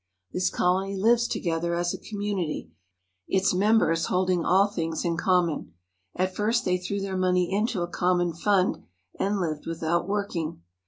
This colony lives together as a community, its mem bers holding all things in common. At first they threw their money into a common fund, and lived without working.